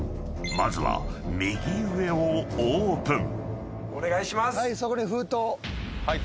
［まずは右上をオープン］